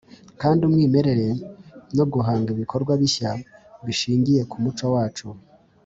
kandi umwimerere, no guhanga ibikorwa bishya bishingiye ku muco wacu